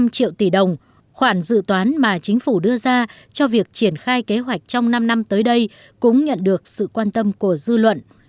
năm triệu tỷ đồng khoản dự toán mà chính phủ đưa ra cho việc triển khai kế hoạch trong năm năm tới đây cũng nhận được sự quan tâm của dư luận